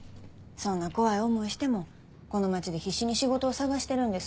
そんな怖い思いしてもこの町で必死に仕事を探してるんです。